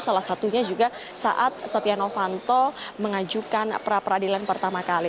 salah satunya juga saat setia novanto mengajukan pra peradilan pertama kali